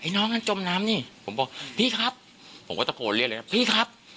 น้องนั้นจมน้ำนี่ผมบอกพี่ครับผมก็ตะโกนเรียกเลยครับพี่ครับ